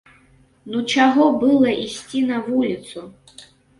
Ну чаго было ісці на вуліцу?